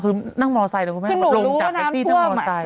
คือนั่งมอเซ้นลงจากแอตตี้นั่งมอเซ้น